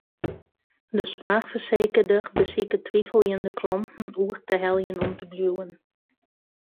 De soarchfersekerder besiket twiveljende klanten oer te heljen om te bliuwen.